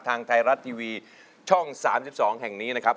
ทางไทยรัฐทีวีช่อง๓๒แห่งนี้นะครับ